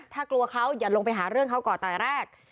ถ้ากลัวเขาอย่าลงไปหาเรื่องเขาก่อนแต่แรก